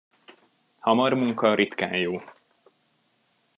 Hamar munka ritkán jó.